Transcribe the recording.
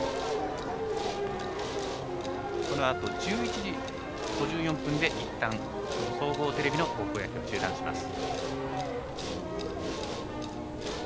このあと１１時５４分でいったん、総合テレビの高校野球を中断します。